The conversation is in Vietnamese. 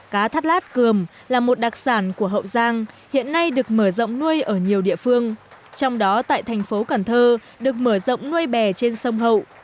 cá thắt lát cường là một đặc sản của hậu giang hiện nay được mở rộng nuôi ở nhiều địa phương trong đó tại thành phố cần thơ được mở rộng nuôi bè trên sông hậu